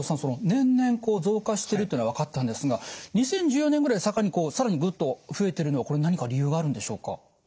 年々増加してるっていうのは分かったんですが２０１４年ぐらいを境に更にぐっと増えているのは何か理由があるんでしょうか？